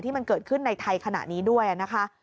มันเกิดขึ้นในไทยขณะนี้ด้วยนะคะ